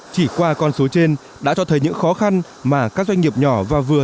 chỉ qua con số trên đã cho thấy những khó khăn mà các doanh nghiệp nhỏ và vừa